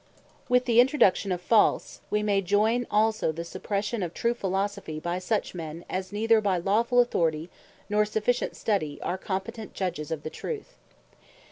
Suppression Of Reason With the Introduction of False, we may joyn also the suppression of True Philosophy, by such men, as neither by lawfull authority, nor sufficient study, are competent Judges of the truth.